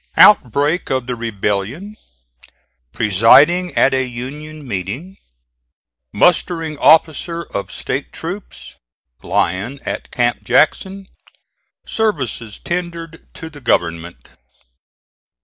OUTBREAK OF THE REBELLION PRESIDING AT A UNION MEETING MUSTERING OFFICER OF STATE TROOPS LYON AT CAMP JACKSON SERVICES TENDERED TO THE GOVERNMENT.